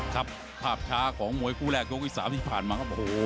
ครับภาพช้าของมวยคู่แรกยกที่๓ที่ผ่านมาครับโอ้โห